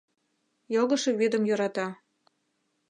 Йогышо вӱдым йӧрата.